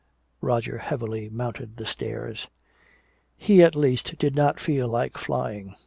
Roger heavily mounted the stairs. He at least did not feel like flying.